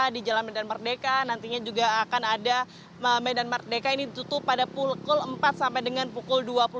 di jalan medan merdeka nantinya juga akan ada medan merdeka ini ditutup pada pukul empat sampai dengan pukul dua puluh